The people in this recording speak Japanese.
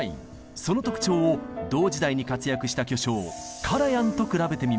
その特徴を同時代に活躍した巨匠カラヤンと比べてみましょう。